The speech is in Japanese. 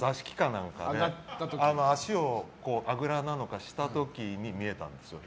なんかで足をあぐらなのかをした時に見えたんですよ。